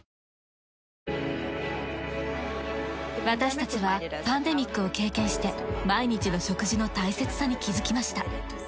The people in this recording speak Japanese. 私たちはパンデミックを経験して毎日の食事の大切さに気づきました。